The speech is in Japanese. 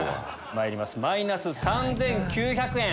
まいりますマイナス３９００円。